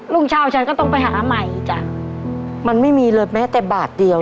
่งเช้าฉันก็ต้องไปหาใหม่จ้ะมันไม่มีเลยแม้แต่บาทเดียว